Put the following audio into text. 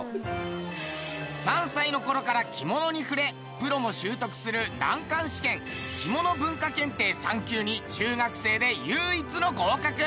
３歳の頃から着物に触れプロも習得する難関試験きもの文化検定３級に中学生で唯一の合格！